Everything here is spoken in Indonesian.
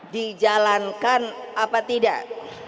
dijalankan apa tidak